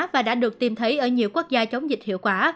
và đã được tìm thấy ở nhiều quốc gia chống dịch hiệu quả